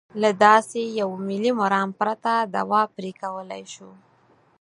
له داسې یوه ملي مرام پرته دوا پرې کولای شو.